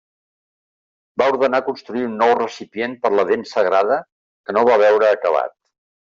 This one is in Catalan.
Va ordenar construir un nou recipient per la Dent Sagrada que no va veure acabat.